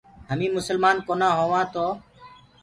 هميٚنٚ مسلمآن ڪونآ هووآنٚ تو